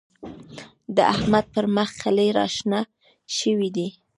د احمد پر مخ خلي راشنه شوي دی.